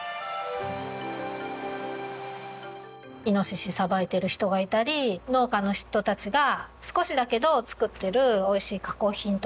イノシシさばいてる人がいたり農家の人たちが少しだけど作ってる美味しい加工品とか。